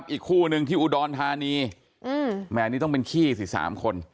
อีกคู่หนึ่งที่อุดรธานีแม่นี่ต้องเป็นขี้สิ๓คน